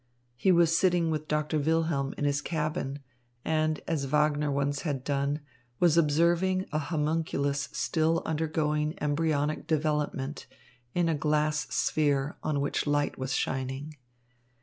He was sitting with Doctor Wilhelm in his cabin, and, as Wagner once had done, was observing a homunculus still undergoing embryonic development in a glass sphere on which light was shining.